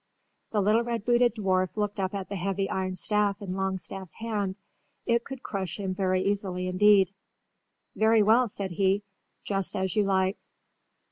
The little red booted dwarf looked up at the heavy iron staff in Longstaff's hand. It could crush him very easily indeed. "Very well!" said he. "Just as you like!"